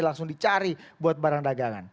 langsung dicari buat barang dagangan